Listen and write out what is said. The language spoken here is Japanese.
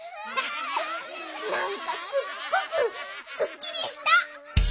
なんかすっごくすっきりした！